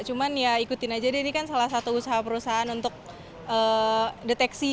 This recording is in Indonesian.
cuma ikutin saja ini kan salah satu usaha perusahaan untuk deteksi